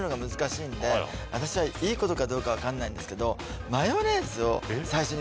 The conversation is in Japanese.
私はいいことかどうか分かんないんですけど。